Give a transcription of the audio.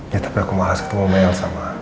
ya tapi aku males ketemu mel sama